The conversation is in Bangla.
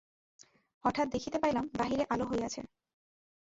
হঠাৎ দেখিতে পাইলাম, বাহিরে আলো হইয়াছে।